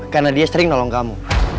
karena dia sering nolong kamu